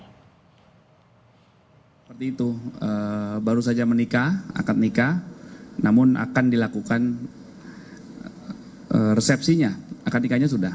seperti itu baru saja menikah akad nikah namun akan dilakukan resepsinya akad nikahnya sudah